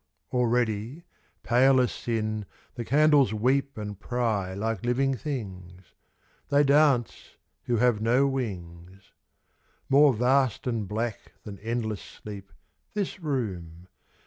Already, pale as Sin The candles weep and pry like living things. ..■ They dance, who have no wings. More vast and black than endless sleep, this room.